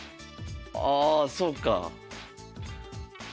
あそうか。